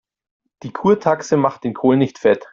Die Kurtaxe macht den Kohl nicht fett.